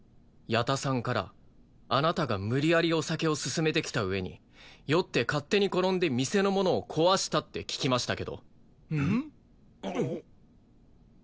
矢田さんからあなたが無理やりお酒を勧めてきた上に酔って勝手に転んで店のものを壊したって聞きましたけど。